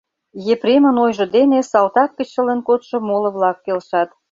Епремын ойжо дене салтак гыч шылын кодшо моло-влак келшат.